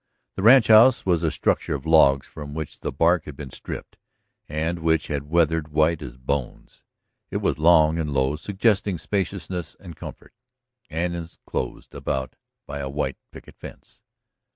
The ranchhouse was a structure of logs from which the bark had been stripped, and which had weathered white as bones. It was long and low, suggesting spaciousness and comfort, and enclosed about by a white picket fence.